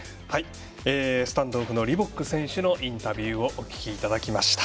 スタンドオフのリボック選手のインタビューをお聞きいただきました。